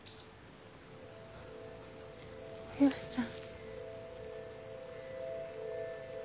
およしちゃん。